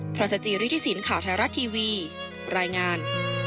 พระสจิริฐิสินข่าวไทยรัฐทีวีรายงาน